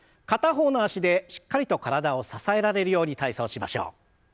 片方の脚でしっかりと体を支えられるように体操しましょう。